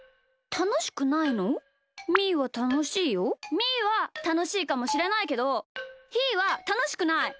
みーはたのしいかもしれないけどひーはたのしくない！